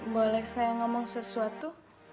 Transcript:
boleh saya ngomong sesuatu